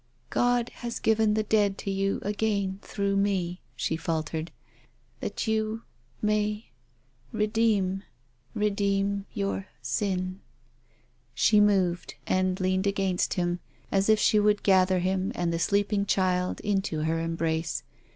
" God has given the dead to you again througli me," she faltered, " that you — may — redeem — redeem — your — sin." She moved, and leaned against him, as if she would gather him and the sleeping child into her embrace.